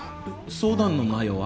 相談の内容は？